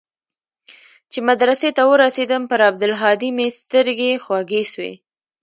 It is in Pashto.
چې مدرسې ته ورسېدم پر عبدالهادي مې سترګې خوږې سوې.